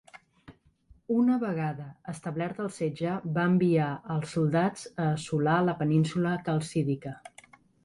Una vegada establert el setge va enviar als soldats a assolar la península Calcídica.